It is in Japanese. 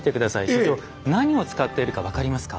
所長何を使っているか分かりますか？